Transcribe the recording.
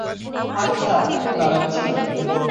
আচ্ছা, দাড়াচ্ছি।